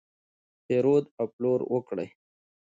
پیرود او پلور وکړئ.